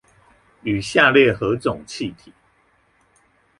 與下列何種氣體